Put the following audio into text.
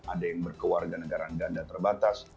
ada yang berkeluarga negara negara terbatas